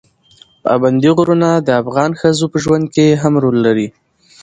پابندي غرونه د افغان ښځو په ژوند کې هم رول لري.